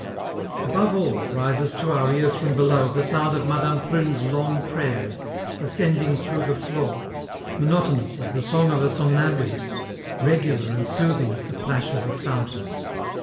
Above all, rises to our ears from below the sound of Madame Prune's long prayers, ascending through the floor, monotonous as the song of a somnambulist, regular and soothing as the plash of a fountain.